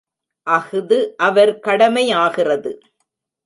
அஃது அவர் கடமையாகிறது.